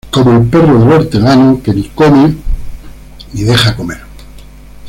Como el perro del hortelano que ni come ni deja comer